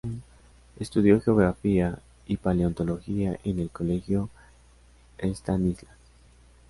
Estudió geografía y paleontología en el colegio Stanislas.